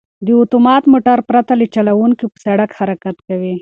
دا اتومات موټر پرته له چلوونکي په سړک حرکت کوي.